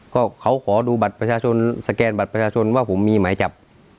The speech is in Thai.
ก็เขาขอดูบัตรประชาชนสแกนบัตรประชาชนว่าผมมีหมายจับ